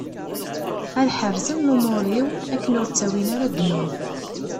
Ad ḥerzen lumuṛ-iw, akken ur ttawin ara ddnub.